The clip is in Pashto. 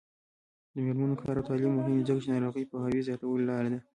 د میرمنو کار او تعلیم مهم دی ځکه چې ناروغیو پوهاوي زیاتولو لاره ده.